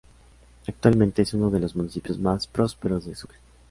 Actualmente es uno de los municipios más prósperos de Sucre.